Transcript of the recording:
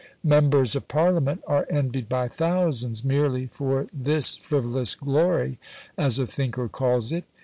Members of Parliament are envied by thousands merely for this frivolous glory, as a thinker calls it.